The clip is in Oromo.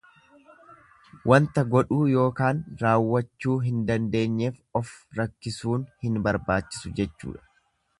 Wanta godhuu ykn raawwachuu hin dandeenyeef of rakkisuun hin barbaachisu jechuudha.